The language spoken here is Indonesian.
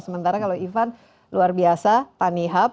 sementara kalau ivan luar biasa tanihub